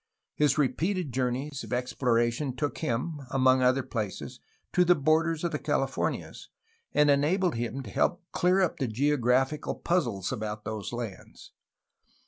His repeated journeys of exploration took him, among other places, to the borders of the Californias, and enabled him to help clear up the geo graphical puzzles about those lands.